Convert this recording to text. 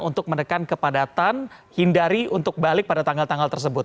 untuk menekan kepadatan hindari untuk balik pada tanggal tanggal tersebut